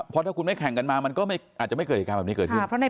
เพราะถ้าคุณไม่แข่งกันมามันก็อาจจะไม่เกิดเหตุการณ์แบบนี้เกิดขึ้น